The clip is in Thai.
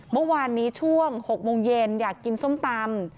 เมื่อวานนี้ช่วง๖โมงเย็นอยากกินส้มตำ